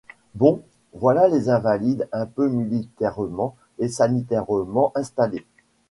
Bon, voilà les Invalides un peu militairement et sanitairement installés.